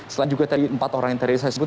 selain juga tadi empat orang yang tadi saya sebut